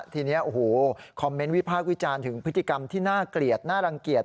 ทีนี้โอ้โหคอมเมนต์วิพากษ์วิจารณ์ถึงพฤติกรรมที่น่าเกลียดน่ารังเกียจ